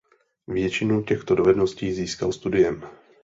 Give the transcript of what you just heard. Většinu těchto dovedností získal studiem.